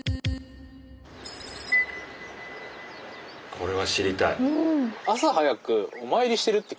これは知りたい。